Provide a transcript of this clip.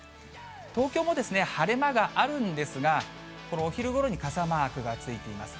東京も晴れ間があるんですが、このお昼ごろに傘マークがついています。